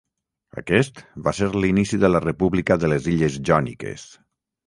Aquest va ser l'inici de la República de les illes Jòniques.